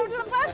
udah lepas ya